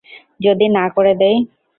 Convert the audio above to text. যদি না করে দেয়?